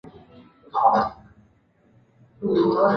宁有子胡虔。